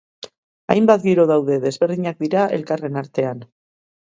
Hainbat giro daude, desberdinak dira elkarren artean.